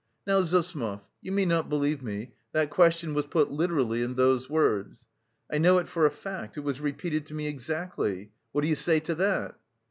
Now, Zossimov, you may not believe me, that question was put literally in those words. I know it for a fact, it was repeated to me exactly! What do you say to that?"